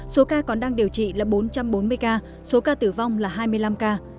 số ca còn đang điều trị là bốn trăm bốn mươi ca số ca tử vong là hai mươi năm ca